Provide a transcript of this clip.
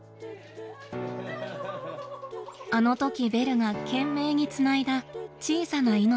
あのときベルが懸命につないだ小さな命。